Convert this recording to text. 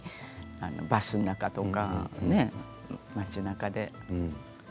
バスの中とかね、街なかで。